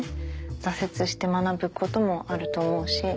挫折して学ぶこともあると思うし。